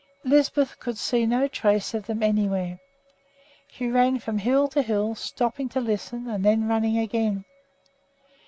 Lisbeth could see no trace of them anywhere. She ran from hill to hill, stopping to listen and then running again.